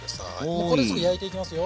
もうこれですぐ焼いていきますよ。